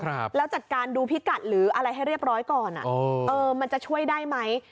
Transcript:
ครับแล้วจัดการดูพิกัดหรืออะไรให้เรียบร้อยก่อนอ่ะอ๋อเออมันจะช่วยได้ไหม